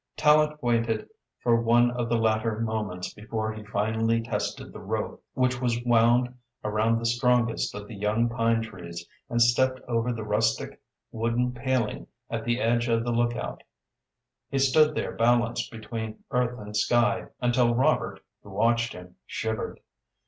Tallente waited for one of the latter moments before he finally tested the rope which was wound around the strongest of the young pine trees and stepped over the rustic wooden paling at the edge of the lookout He stood there balanced between earth and sky, until Robert, who watched him, shivered.